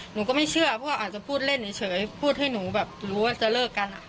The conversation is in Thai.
หนูก็ไม่เชื่อเพราะว่าอาจจะพูดเล่นเฉยพูดให้หนูแบบรู้ว่าจะเลิกกัน